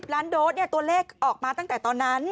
ล้านโดสตัวเลขออกมาตั้งแต่ตอนนั้น